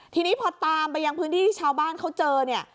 ทีนี้พอตามไปยังพื้นที่ที่ชาวบ้านเขาเจอเนี่ย